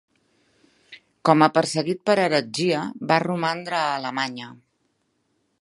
Com a perseguit per heretgia, va romandre a Alemanya.